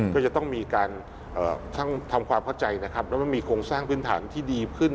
ก็จะต้องมีการทำความเข้าใจนะครับแล้วมันมีโครงสร้างพื้นฐานที่ดีขึ้น